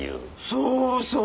そうそう！